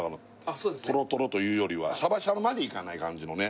そうですねトロトロというよりはシャバシャバまでいかない感じのね